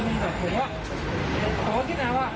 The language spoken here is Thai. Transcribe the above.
ผมก็คิดแบบว่า